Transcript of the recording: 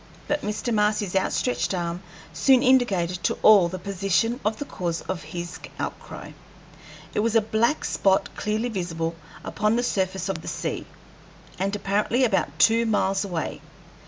But Mr. Marcy's outstretched arm soon indicated to all the position of the cause of his outcry. It was a black spot clearly visible upon the surface of the sea, and apparently about two miles away.